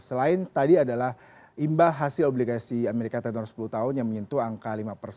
selain tadi adalah imbal hasil obligasi amerika terhadap sepuluh tahun yang menyentuh angka lima